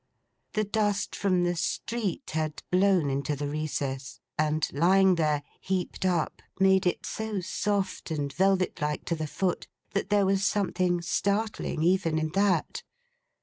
The dust from the street had blown into the recess; and lying there, heaped up, made it so soft and velvet like to the foot, that there was something startling, even in that.